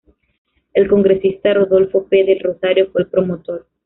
El Congresista Rodolfo P. del Rosario fue el promotor.